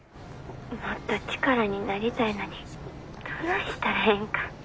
もっと力になりたいのにどないしたらええんか。